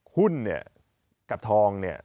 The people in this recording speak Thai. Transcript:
หุ้นเนี่ยกับทองเนี่ย